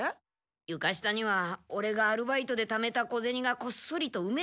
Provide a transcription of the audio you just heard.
ゆか下にはオレがアルバイトでためた小ゼニがこっそりとうめてあるんだ。